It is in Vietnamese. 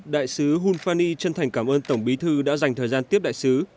đại sứ hun phan nhi chân thành cảm ơn tổng bí thư đã dành thời gian tiếp đại sứ